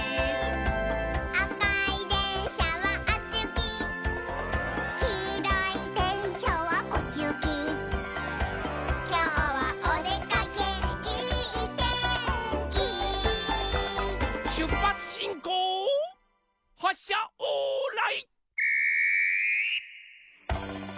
「あかいでんしゃはあっちゆき」「きいろいでんしゃはこっちゆき」「きょうはおでかけいいてんき」しゅっぱつしんこうはっしゃオーライ。